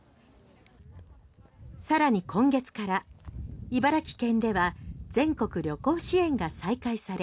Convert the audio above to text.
さらに今月から茨城県では全国旅行支援が再開され